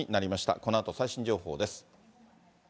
このあと、最新情報です。